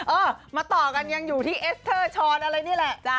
เออมาต่อกันยังอยู่ที่เอสเตอร์ชอนอะไรนี่แหละ